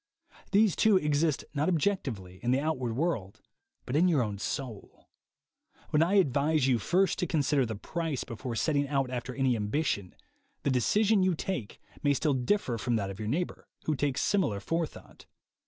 These, too, exist not objectively, in the outward world, but in your own soul. When I advise you first to consider the price before setting out after any ambition, the decision you take may still differ from that of jour neighbor who takes similar forethought.